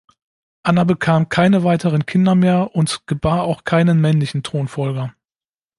Anna bekam keine weiteren Kinder mehr und gebar auch keinen männlichen Thronfolger.